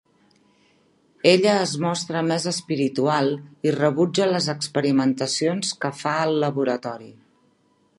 Ella es mostra més espiritual i rebutja les experimentacions que fa al laboratori.